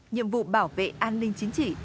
nhiệm vụ bảo vệ an ninh chính trị